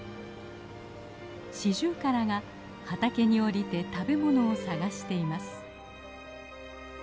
シジュウカラが畑に下りて食べ物を探しています。